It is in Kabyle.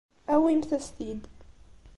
Awimt-as-t-id.